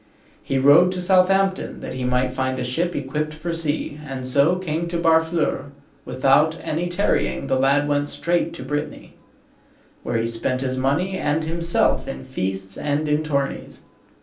He rode to Southampton, that he might find a ship equipped for sea, and so came to Barfleur. Without any tarrying the lad went straight to Brittany, where he spent his money and himself in feasts and in tourneys.